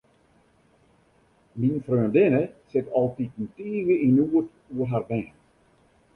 Myn freondinne sit altiten tige yn noed oer har bern.